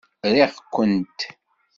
Riɣ-kent!